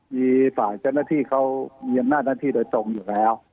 มีฝ่ายเจ้าหน้าที่เขามีอำนาจหน้าที่โดยตรงอยู่แล้ว